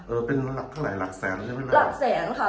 เออเป็นหลักเท่าไหร่หลักแสงใช่ไหมครับหลักแสงค่ะ